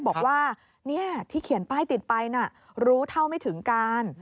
บอกว่าที่เขียนป้ายติดไปรู้เท่าไม่ถึงการ